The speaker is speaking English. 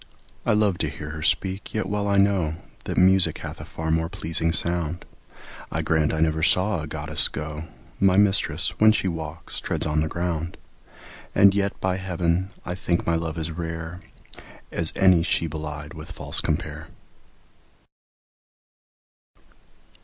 I love to hear her speak, yet well I know That music hath a far more pleasing sound; I grant I never saw a goddess go; My mistress, when she walks, treads on the ground: And yet, by heaven, I think my love as rare As any she belied with false compare.